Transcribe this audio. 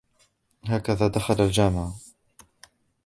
هكذا دخل الجامعة.